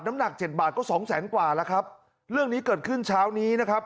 น้ำหนักเจ็ดบาทก็สองแสนกว่าแล้วครับเรื่องนี้เกิดขึ้นเช้านี้นะครับ